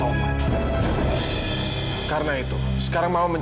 nyaris saja ketahuan